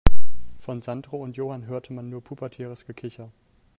Von Sandro und Johann hörte man nur pubertäres Gekicher.